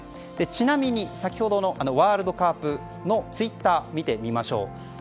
ちなみに先ほどのワールドカープのツイッターを見てみましょう。